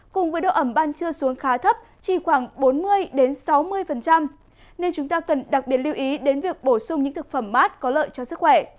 cùng với độ ẩm ban trưa xuống khá thấp chỉ khoảng bốn mươi sáu mươi nên chúng ta cần đặc biệt lưu ý đến việc bổ sung những thực phẩm mát có lợi cho sức khỏe